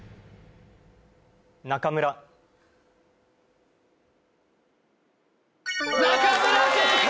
中村正解